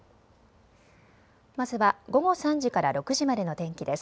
まずは午後３時から６時までの天気です。